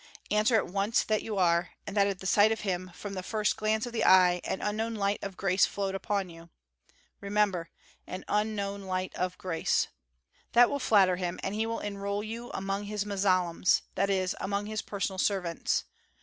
Answer at once that you are and that at the sight of him, from the first glance of the eye an unknown light of grace flowed upon you. Remember, 'an unknown light of grace.' That will flatter him and he will enroll you among his muzalems, that is, among his personal servants.